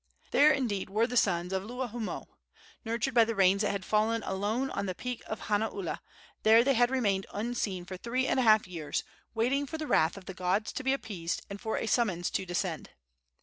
There, indeed, were the sons of Luahoomoe. Nurtured by the rains that had fallen alone on the peak of Hanaula, there they had remained unseen for three and a half years, waiting for the wrath of the gods to be appeased and for a summons to descend.